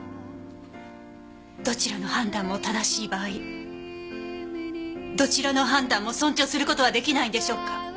どちらの判断も正しい場合どちらの判断も尊重する事は出来ないんでしょうか？